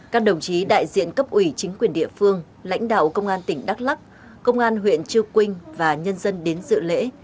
các đồng chí đại diện cấp ủy chính quyền địa phương lãnh đạo công an tỉnh đắk lắc công an huyện chư quynh và nhân dân đến dự lễ